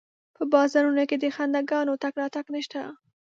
په بازارونو کې د خنداګانو تګ راتګ نشته